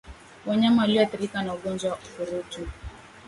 Wanyama walioathirika na ugonjwa wa ukurutu